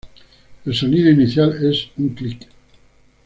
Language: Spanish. El sonido inicial es un clic.